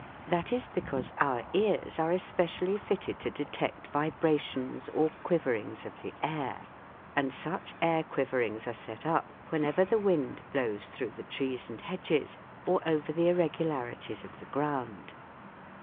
That is because our ears are especially fitted to detect vibrations or quiverings of the air ; and such air quiverings are set up whenever the wind blows through the trees and hedges or over the irregularities of the ground.